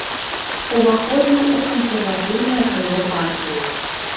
Уваходзіў у кансерватыўнае крыло партыі.